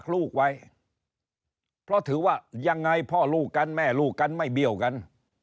แลก็แม่ลูกกั้นไม่เบี้ยวกัน